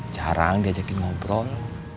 jarang diajakin ngobrol